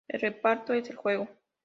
El reparto es el juego.